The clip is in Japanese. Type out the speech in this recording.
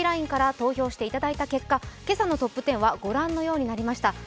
ＬＩＮＥから投票してくれた結果、今朝のトップ１０は御覧のようになりました。